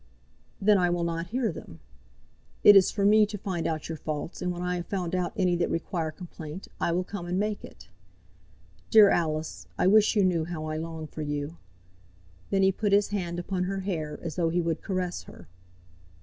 "Then I will not hear them. It is for me to find out your faults, and when I have found out any that require complaint, I will come and make it. Dear Alice, I wish you knew how I long for you." Then he put his hand upon her hair, as though he would caress her.